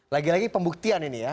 lagi lagi pembuktian ini ya